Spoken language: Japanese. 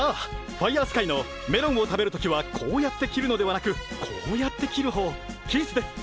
ファイヤースカイのメロンを食べる時はこうやって切るのではなくこうやって切るほうキースです。